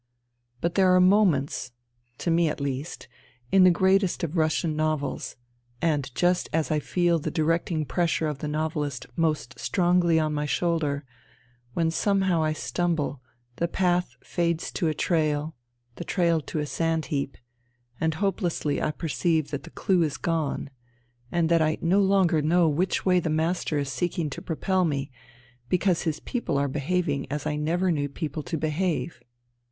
But there are moments — ^to me at least — in the greatest of Russian novels, and just as I feel the directing pressure of the novelist most strongly on my shoulder, when somehow I stumble, the path fades to a trail, the trail to a sand heap, and hopelessly I perceive that the clue is gone, and that I no longer know which way the master is seeking to propel me, because his people are behaving as I never knew people to behave.